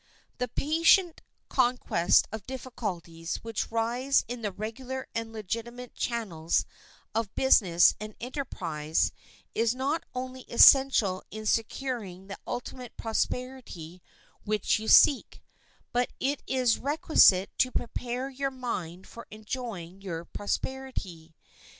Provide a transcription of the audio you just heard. The patient conquest of difficulties which rise in the regular and legitimate channels of business and enterprise is not only essential in securing the ultimate prosperity which you seek, but it is requisite to prepare your mind for enjoying your prosperity.